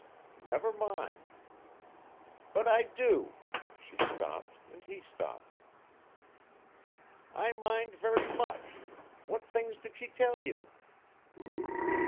"Never mind." "But I do," she stopped and he stopped. "I mind very much. What things did she tell you?"